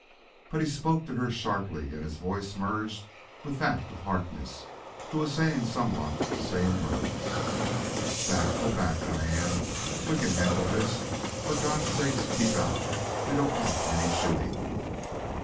But he spoke to her sharply, and his voice merged with that of Harkness who was saying somewhat the same words: "Back go back, Diane! We can handle this. For God's sake, keep out; we don't want any shooting."